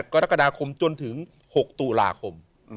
กรกฎาคมจนถึง๖ตุลาคม